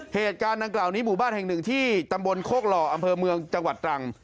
เหตุการณ์ดังกล่าวนี้หมู่บ้านแห่งหนึ่งที่ตำบลโคกหล่ออำเภอเมืองจังหวัดตรัง